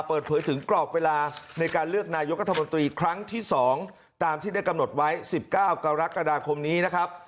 เปิดเผยถึงกรอบเวลาในการเลือกนายกัธมนตรีครั้งที่๒ตามที่ได้กำหนดไว้๑๙กรกฎาคมนี้นะครับ